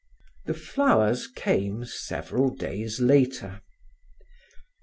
The flowers came several days later.